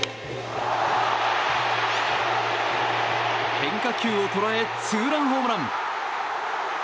変化球を捉えツーランホームラン！